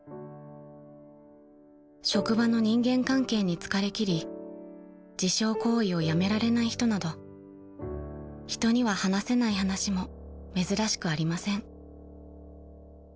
［職場の人間関係に疲れきり自傷行為をやめられない人など人には話せない話も珍しくありません］